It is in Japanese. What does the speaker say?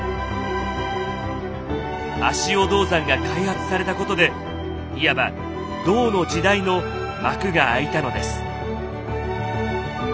足尾銅山が開発されたことでいわば「銅の時代」の幕が開いたのです。